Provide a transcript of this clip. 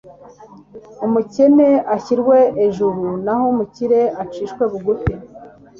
umukene ashyirwe ejuru naho umukire acishwe bugufi